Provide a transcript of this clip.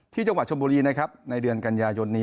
จังหวัดชมบุรีนะครับในเดือนกันยายนนี้